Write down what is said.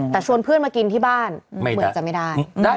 แต่ชวนเพื่อนมากินที่บ้านเหมือนจะไม่ได้ไม่ได้ไม่น่าได้